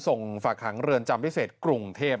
ส่งฝากหางเรือนจำพิเศษกรุงเทพ